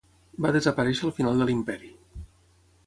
Va desaparèixer al final de l'imperi.